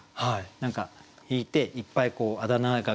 何か引いていっぱいこうあだ名が